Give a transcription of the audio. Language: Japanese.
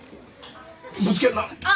ぶつけるな。